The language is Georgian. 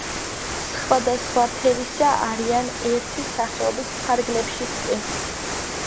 სხვადასხვა ფერისა არიან ერთი სახეობის ფარგლებშიც კი.